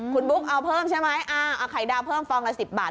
คุณบุ๊คเอาเพิ่มใช่ไหมเอาไข่ดาวเพิ่มฟองละ๑๐บาท